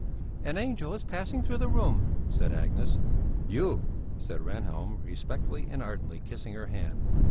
"An angel is passing through the room," said Agnes. "You!" said Rehnhjelm, respectfully and ardently kissing her hand.